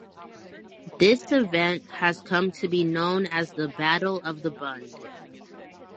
This event has come to be known as the 'Battle of the Bund'.